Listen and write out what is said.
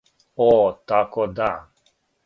О тако да.